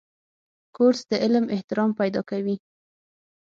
کورس د علم احترام پیدا کوي.